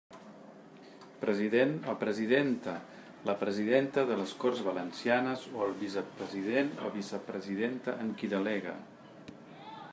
President o presidenta: la presidenta de les Corts Valencianes o el vicepresident o vicepresidenta en qui delegue.